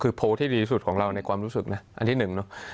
คือโพลที่ดีที่สุดของเราในความรู้สึกนะอันที่หนึ่งเนอะ